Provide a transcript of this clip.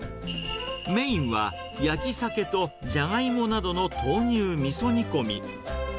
メインは、焼き鮭とジャガイモなどの豆乳みそ煮込み。